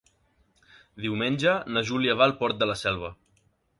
Diumenge na Júlia va al Port de la Selva.